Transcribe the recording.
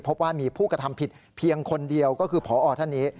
พบว่ามีผู้กระทำผิดเพียงคนเดียวก็คือพอท่านนี้